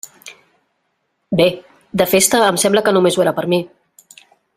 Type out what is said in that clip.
Bé, de festa em sembla que només ho era per a mi.